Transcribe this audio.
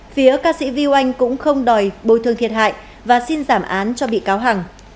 phía ca sĩ viu anh cũng không đòi bồi thương thiệt hại và xin giảm án cho bị cáo hằng